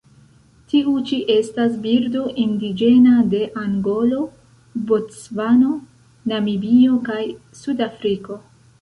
Tiu ĉi estas birdo indiĝena de Angolo, Bocvano, Namibio kaj Sudafriko.